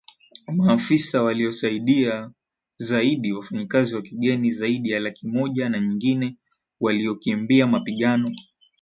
maafisa waliosaidia zaidi wafanyikazi wa kigeni zaidi ya laki moja na nyingine waliokimbia mapigano